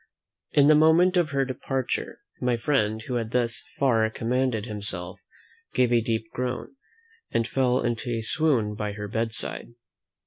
In the moment of her departure, my friend, who had thus far commanded himself, gave a deep groan, and fell into a swoon by her bedside.